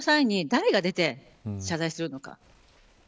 その際に誰が出て謝罪するのか。